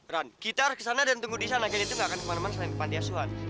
ran kita harus kesana dan tunggu disana candy tuh gak akan kemana mana selain pantiasuhan